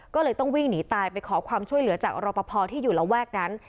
ก็เลยต้องวิ่งหนีตายไปขอความช่วยเหลือจากรอปภที่อยู่ระแวกนั้น